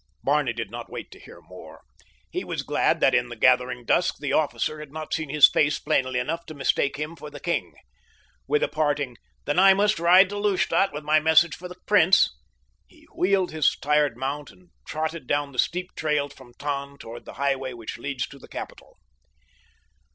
Barney did not wait to hear more. He was glad that in the gathering dusk the officer had not seen his face plainly enough to mistake him for the king. With a parting, "Then I must ride to Lustadt with my message for the prince," he wheeled his tired mount and trotted down the steep trail from Tann toward the highway which leads to the capital.